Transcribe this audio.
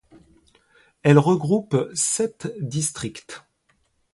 Elle regroupe sept districts.